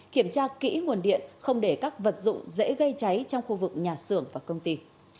kiểm tra kỹ nguồn điện không để các vật dụng dễ gây cháy trong khu vực nhà xưởng và công ty